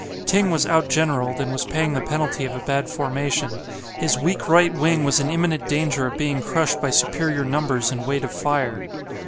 Ting was out generalled, and was paying the penalty of a bad formation. His weak right wing was in imminent danger of being crushed by superior numbers and weight of fire.